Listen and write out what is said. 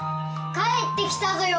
帰ってきたぞよ！